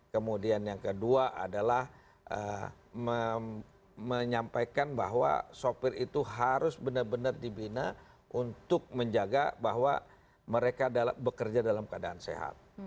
kemudian yang kedua adalah menyampaikan bahwa sopir itu harus benar benar dibina untuk menjaga bahwa mereka bekerja dalam keadaan sehat